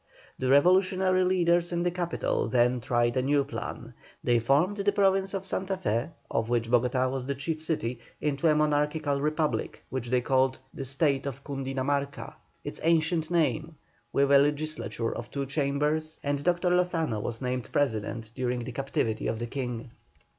The revolutionary leaders in the capital then tried a new plan. They formed the Province of Santa Fé, of which Bogotá was the chief city, into a monarchical republic, which they called "The State of Cundinamarca," its ancient name, with a legislature of two chambers, and Dr. Lozano was named President during the captivity of the King.